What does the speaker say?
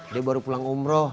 dia baru pulang umroh